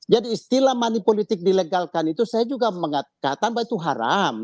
jadi istilah money politik dilegalkan itu saya juga mengatakan bahwa itu haram